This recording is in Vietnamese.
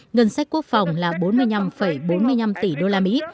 ngân sách quốc phòng là bốn mươi năm bốn mươi năm tỷ đô la mỹ